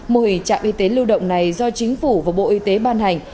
mô hình trạm y tế lưu động này do chính phủ và bộ y tế ban hành